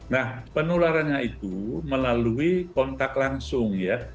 nah penularannya itu melalui kontak langsung ya